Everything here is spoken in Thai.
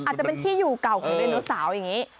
อาจจะเป็นที่อยู่เก่าของไดโนเสาร์อย่างนี้